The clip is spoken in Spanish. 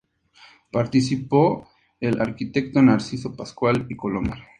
Participó el arquitecto Narciso Pascual y Colomer.